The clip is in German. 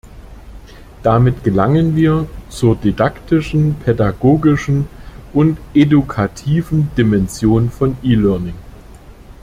Damit gelangen wir zur didaktischen, pädagogischen und edukativen Dimension von eLearning.